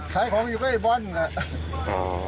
ขายของอยู่ก็ไอบ๊อนท์